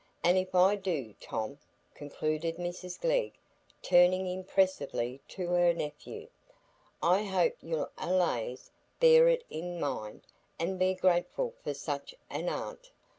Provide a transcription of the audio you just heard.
And if I do, Tom," concluded Mrs Glegg, turning impressively to her nephew, "I hope you'll allays bear it in mind and be grateful for such an aunt.